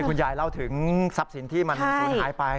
คุณแย่เล่าถึงทรัพย์สินที่ถูนหายไป